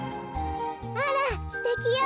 あらすてきよ